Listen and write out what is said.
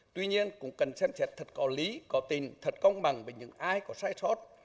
tuy nhiên cũng cần xem chét thật có lý có tin thật công bằng với những ai có sai sót